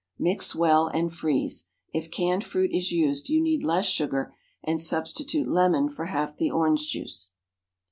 Mix well and freeze. If canned fruit is used, you need less sugar, and substitute lemon for half the orange juice.